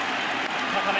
高め。